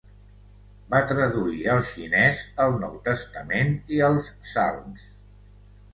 Va traduir al xinès el Nou Testament i els Salms.